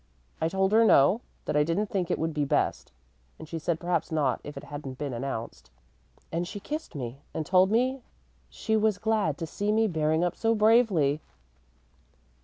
"I told her no, that I didn't think it would be best; and she said perhaps not if it hadn't been announced, and she kissed me and told me she was glad to see me bearing up so bravely."